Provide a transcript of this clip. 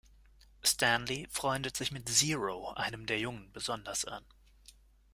Stanley freundet sich mit Zero, einem der Jungen, besonders an.